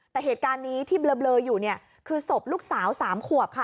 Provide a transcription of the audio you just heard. แต่เหตุการณ์นี้ที่เบลออยู่เนี่ยคือศพลูกสาว๓ขวบค่ะ